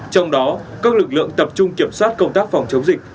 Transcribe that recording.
trong đó các lực lượng tập trung kiểm soát công tác phòng chống dịch